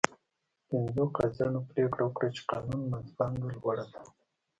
پنځو قاضیانو پرېکړه وکړه چې قانون منځپانګه لوړه ده.